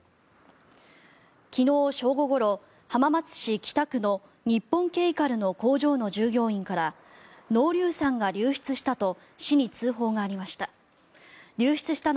昨日正午ごろ浜松市北区の日本ケイカルの従業員から濃硫酸が流出したと市に通報がありました。